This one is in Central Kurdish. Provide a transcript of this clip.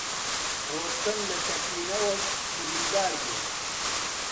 ڕۆستەم لە تەقینەوەک بریندار بوو.